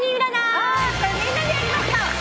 みんなでやりましょう！